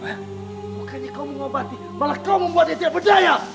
makanya kau mau bati malah kau mau buat dia tidak berdaya